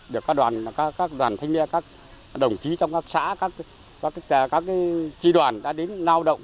được các đoàn thanh niên các đồng chí trong các xã các tri đoàn đã đến lao động